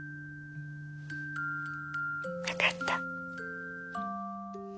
分かった。